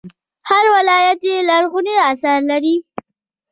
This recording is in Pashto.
هر ولایت یې لرغوني اثار لري